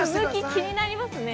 ◆気になりますね。